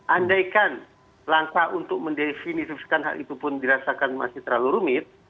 andaikan langkah untuk mendefinisikan hal itu pun dirasakan masih terlalu rumit